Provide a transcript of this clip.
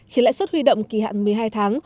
khiến lãi suất huy động kỳ hạn một mươi hai tháng